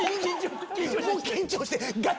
緊張して。